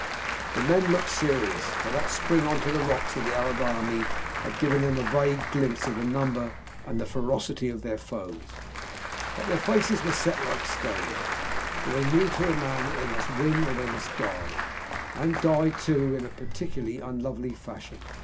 The men looked serious, for that spring on to the rocks of the Arab army had given them a vague glimpse of the number and ferocity of their foes; but their faces were set like stone, for they knew to a man that they must win or they must die and die, too, in a particularly unlovely fashion.